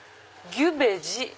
ギュベジ？